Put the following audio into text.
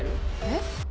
えっ？